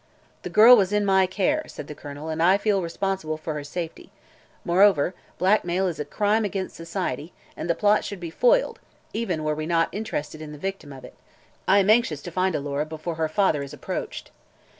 "The girl was in my care," said the Colonel, "and I feel responsible for her safety. Moreover blackmail is a crime against society, and the plot should be foiled even were we not interested in the victim of it. I am anxious to find Alora before her father is approached."